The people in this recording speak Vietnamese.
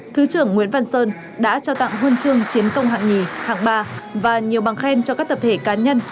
thứ trưởng nguyễn văn sơn đã trao tặng huân chương chiến công hạng nhì hạng ba và nhiều bằng khen cho các tập thể cá nhân